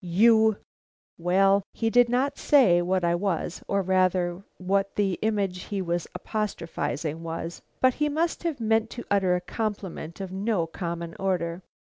"You " Well, he did not say what I was, or rather, what the image he was apostrophizing, was. But he must have meant to utter a compliment of no common order.